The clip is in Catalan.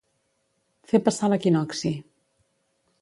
Fer passar l'equinocci.